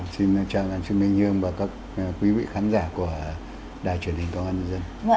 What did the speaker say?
xin chào đàn sư minh hương và các quý vị khán giả của đài truyền hình công an nhân dân